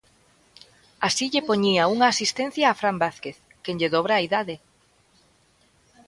Así lle poñía unha asistencia a Fran Vázquez, quen lle dobra a idade.